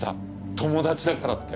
友達だからって。